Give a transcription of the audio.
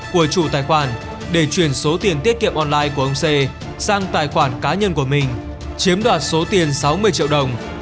của chủ tài khoản để chuyển số tiền tiết kiệm online của ông xê sang tài khoản cá nhân của mình chiếm đoạt số tiền sáu mươi triệu đồng